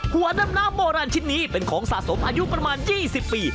หัวดำน้ำโบราณชิ้นนี้เป็นของสะสมอายุประมาณ๒๐ปี